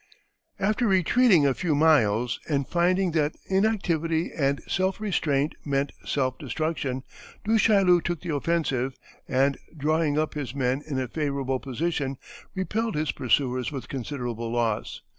After retreating a few miles and finding that inactivity and self restraint meant self destruction, Du Chaillu took the offensive, and drawing up his men in a favorable position, repelled his pursuers with considerable loss.